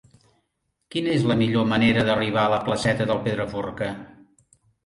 Quina és la millor manera d'arribar a la placeta del Pedraforca?